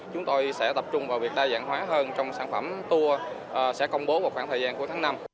chúng tôi sẽ tập trung vào việc đa dạng hóa hơn trong sản phẩm tour sẽ công bố vào khoảng thời gian của tháng năm